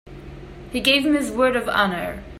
He gave me his word of honor.